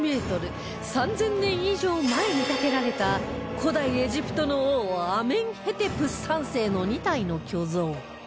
３０００年以上前に建てられた古代エジプトの王アメンヘテプ３世の２体の巨像